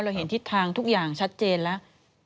เห็นทิศทางทุกอย่างชัดเจนแล้ว